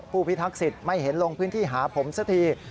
พิทักษิตไม่เห็นลงพื้นที่หาผมสักที